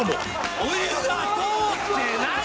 お湯が通ってない！